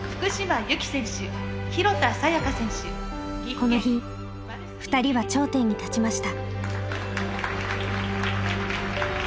この日ふたりは頂点に立ちました。